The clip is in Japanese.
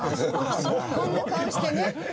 こんな顔してね。